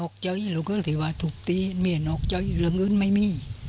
ก็ลงอื่นไม่มี